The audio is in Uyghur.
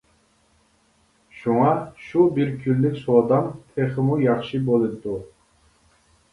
شۇڭا شۇ بىر كۈنلۈك سودام تېخىمۇ ياخشى بولىدۇ.